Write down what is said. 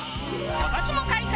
今年も開催！